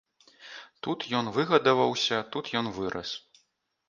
Тут ён выгадаваўся, тут ён вырас.